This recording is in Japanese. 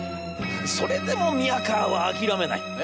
それでも宮河は諦めない。